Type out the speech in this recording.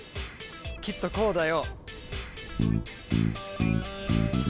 きっとこうだよ。